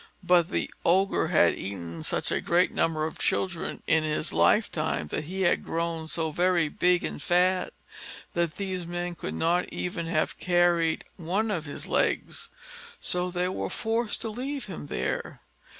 But the Ogre had eaten such a great number of children in his lifetime, that he had grown so very big and fat that these men could not even have carried one of his legs; so they were forced to leave him there.